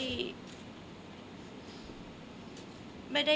คนรอบตัวขวัดไม่ได้